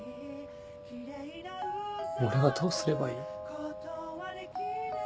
俺はどうすればいい？